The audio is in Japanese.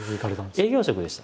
営業職でした。